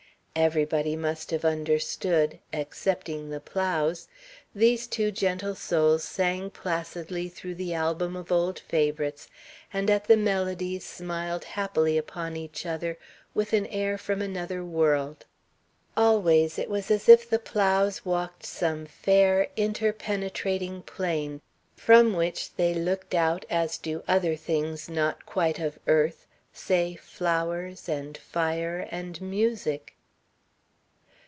Everybody must have understood excepting the Plows. These two gentle souls sang placidly through the Album of Old Favourites, and at the melodies smiled happily upon each other with an air from another world. Always it was as if the Plows walked some fair, inter penetrating plane, from which they looked out as do other things not quite of earth, say, flowers and fire and music.